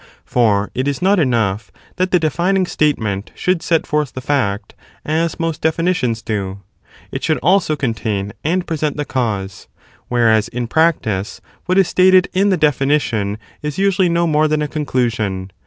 For it is Testofa "ot enough that the defining statement should set forth good the fact, as most definitions do; it should also contain definition. :.. and present the cause: whereas in practice what is stated in the definition is usually no more than a conclusion.